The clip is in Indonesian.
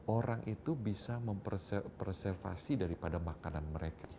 orang itu bisa memperservasi daripada makanan mereka